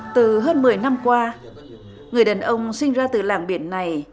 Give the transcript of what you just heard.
từ hơn một mươi năm qua người đàn ông sinh ra từ làng biển này